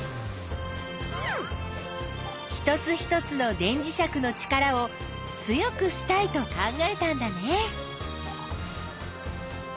一つ一つの電磁石の力を強くしたいと考えたんだね。